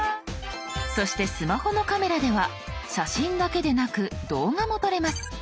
そしてスマホのカメラでは写真だけでなく動画も撮れます。